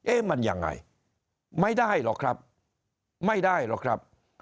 มันยังไงไม่ได้หรอกครับไม่ได้หรอกครับ